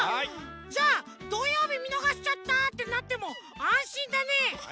じゃあ「どようびみのがしちゃった」ってなってもあんしんだね。